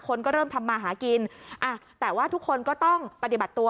คนก็เริ่มทำมาหากินอ่ะแต่ว่าทุกคนก็ต้องปฏิบัติตัว